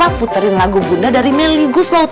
jangan lupa puterin lagu bunda dari meligus lho